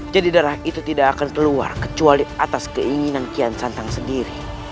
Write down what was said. darah itu tidak akan keluar kecuali atas keinginan kian santang sendiri